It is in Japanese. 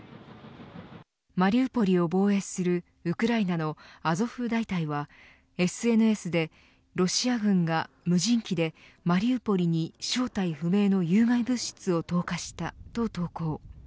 マリウポリを防衛するウクライナのアゾフ大隊はＳＮＳでロシア軍が無人機でマリウポリに正体不明の有害物質を投下したと投稿。